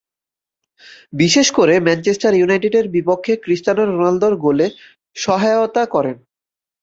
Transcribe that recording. বিশেষ করে ম্যানচেস্টার ইউনাইটেডের বিপক্ষে ক্রিস্তিয়ানো রোনালদোর গোলে সহায়তা করেন।